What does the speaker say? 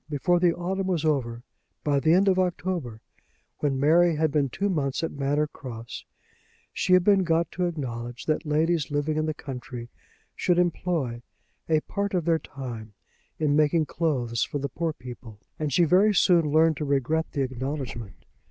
Before the autumn was over, by the end of October, when Mary had been two months at Manor Cross, she had been got to acknowledge that ladies living in the country should employ a part of their time in making clothes for the poor people; and she very soon learned to regret the acknowledgment.